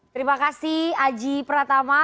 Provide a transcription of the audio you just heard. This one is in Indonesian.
terima kasih aji pratama